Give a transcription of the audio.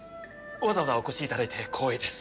わざわざお越しいただいて光栄です。